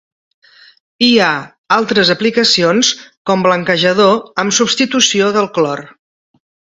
Hi ha altres aplicacions com blanquejador en substitució del clor.